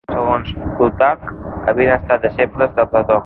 Segons Plutarc havien estat deixebles de Plató.